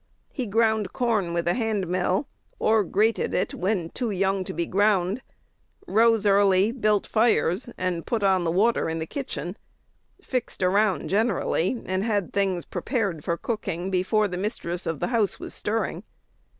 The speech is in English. He ground corn with a hand mill, or "grated" it when too young to be ground; rose early, built fires, put on the water in the kitchen, "fixed around generally," and had things prepared for cooking before the mistress of the house was stirring.